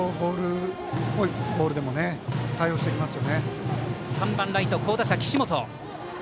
打席は３番、ライト好打者の岸本。